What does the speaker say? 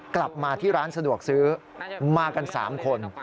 กลับมาที่ร้านสะดวกซื้อมากัน๓คน